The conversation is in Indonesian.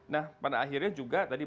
nah pada akhirnya juga tadi